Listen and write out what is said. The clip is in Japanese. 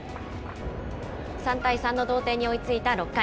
３対３の同点に追いついた６回。